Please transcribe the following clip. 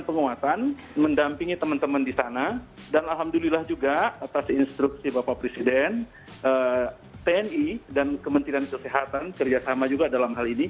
penguatan mendampingi teman teman di sana dan alhamdulillah juga atas instruksi bapak presiden tni dan kementerian kesehatan kerjasama juga dalam hal ini